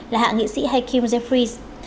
là hạ nghị sĩ hakeem jeffries